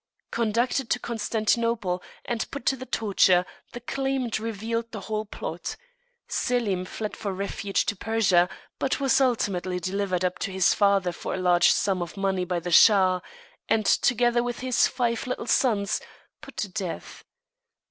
Conducted to Constantinople, and put to the torture, the claimant revealed the whole plot. Selim fled for refuge to Persia, but was ultimately delivered up to his father for a large sum of money by the Shah; and, together with his five little sons, put to death.